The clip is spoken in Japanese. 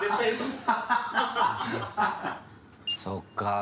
そっかぁ